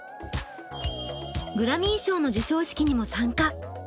グラミー賞の授賞式にも参加。